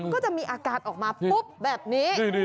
ก็จะมีอาการออกมาปุ๊บแบบนี้